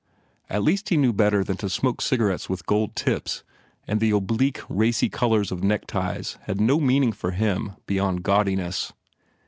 At least he knew better than to smoke cigarettes with gold tips and the oblique, racy colours of neckties had no meaning for him beyond gaudiness.